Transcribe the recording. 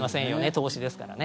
投資ですからね。